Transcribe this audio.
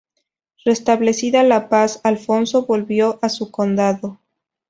Restablecida la paz, Alfonso volvió a su condado.